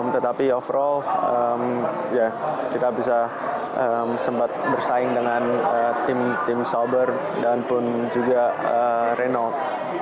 tetapi overall ya kita bisa sempat bersaing dengan tim tim sauber dan pun juga reynold